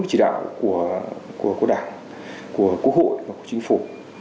chỉ đạo của đảng của quốc hội và của chính phủ